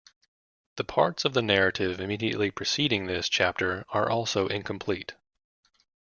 The parts of the narrative immediately preceding this chapter are also incomplete.